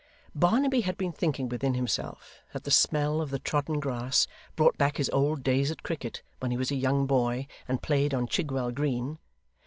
Barnaby had been thinking within himself that the smell of the trodden grass brought back his old days at cricket, when he was a young boy and played on Chigwell Green.